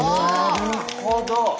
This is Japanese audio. なるほど。